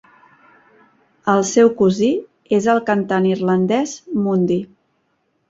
El seu cosí és el cantant irlandès Mundy.